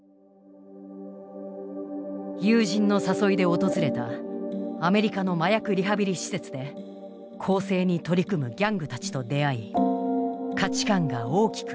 友人の誘いで訪れたアメリカの麻薬リハビリ施設で更生に取り組むギャングたちと出会い価値観が大きく揺らいだのだ。